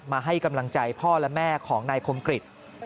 มาให้กำลังใจพ่อและแม่ของนายคมกริจ